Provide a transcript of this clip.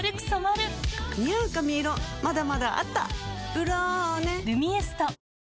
「ブローネ」「ルミエスト」